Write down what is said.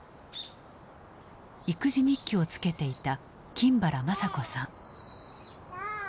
育児日記をつけていた金原まさ子さん。